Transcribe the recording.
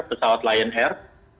pesawat lion air